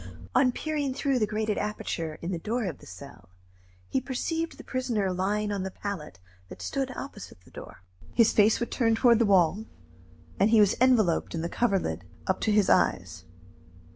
On peering through the grated aperture in the door of the cell, he perceived the prisoner lying on the pallet that stood opposite the door. His face was turned toward the wall, and he was enveloped in the coverlid up to his eyes.